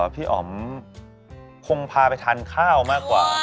พี่อ๋อมคงพาไปทานข้าวมากกว่า